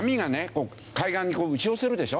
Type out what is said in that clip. こう海岸に打ち寄せるでしょ。